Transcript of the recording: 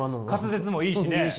滑舌もいいしね。